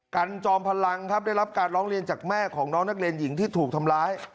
กันจอมพลังครับได้รับการร้องเรียนจากแม่ของน้องนักเรียนหญิงที่ถูกทำร้าย